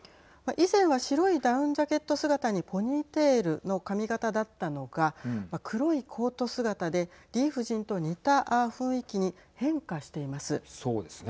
以前は白いダウンジャケット姿にポニーテールの髪形だったのが黒いコート姿でリ夫人と似た雰囲気にそうですね。